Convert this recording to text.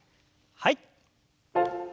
はい。